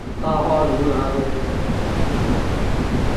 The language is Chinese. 大花独蒜兰为兰科独蒜兰属下的一个种。